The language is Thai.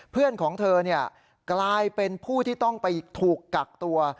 เพื่อนของเธอกลายเป็นผู้ที่ต้องไปถูกกักตัว